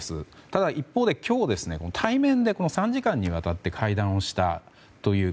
ただ、一方で今日、対面で３時間にわたって会談をしたという。